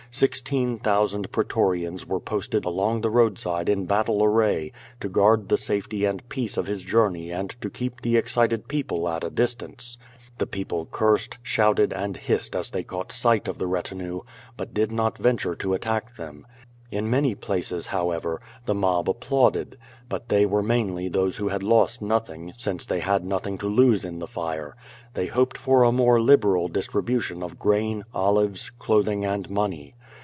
Sixteen thousand pretorians were posted along the roadside in battle array, to guard the safety and peace of his journey and to keep the excited people at a distance. The people cursed, shouted, and hissed as they caught sight of the retinue, but did not ven ture to attack them. In many places, however, the mob ap plauded. But they were mainly those who had lost nothing, since they had nothing to lose in the fire. They hoped for a more liberal distribution of grain, olives, clothing, and money.